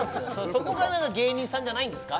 そこが何か芸人さんじゃないんですか